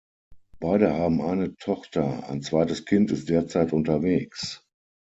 Beide haben eine Tochter, ein zweites Kind ist derzeit unterwegs.